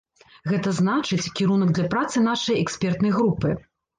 Гэта значыць, кірунак для працы нашай экспертнай групы.